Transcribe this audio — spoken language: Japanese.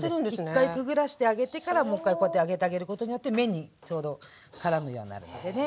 １回くぐらしてあげてからもう一回こうやって上げてあげることによって麺にちょうどからむようになるのでね。